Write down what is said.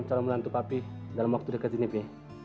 cara melantuk api dalam waktu dekat ini pi